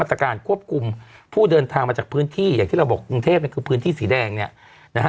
ตรการควบคุมผู้เดินทางมาจากพื้นที่อย่างที่เราบอกกรุงเทพเนี่ยคือพื้นที่สีแดงเนี่ยนะฮะ